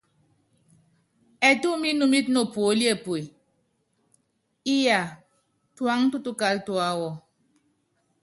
Ɛtú mínúmítɛ nopuóli epue, iyá, tuáŋtukal tuáwɔ!